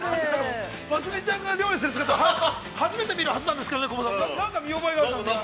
◆ますみちゃんが料理する姿、初めて見るはずなんですけどね、コバさん、なんか見覚えがある。